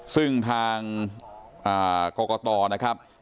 ซึ่งทางกรกตนะครับ